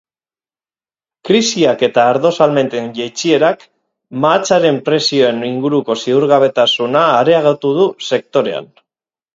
Krisiak eta ardo salmenten jaitsierak, mahatsaren prezioen inguruko ziurgabetasuna areagotu du sektorean.